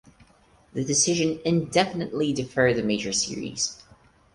The decision indefinitely deferred the Major Series.